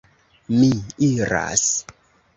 Mi iras!